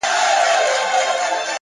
هره موخه د قربانۍ قیمت لري!.